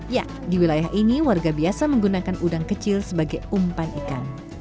ya di wilayah ini warga biasa menggunakan udang kecil sebagai umpan ikan